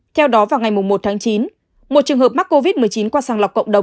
theo đó vào ngày một tháng chín một trường hợp mắc covid một mươi chín qua sàng lọc cộng đồng